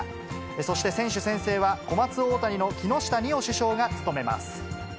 そして選手宣誓は、小松大谷の木下仁緒主将が務めます。